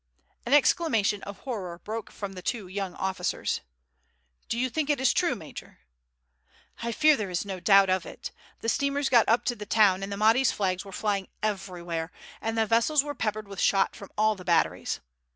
An exclamation of horror broke from the two young officers. "Do you think it is true, major?" "I fear there is no doubt of it. The steamers got up to the town, and the Mahdi's flags were flying everywhere, and the vessels were peppered with shot from all the batteries.